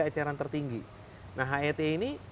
eceran tertinggi nah het ini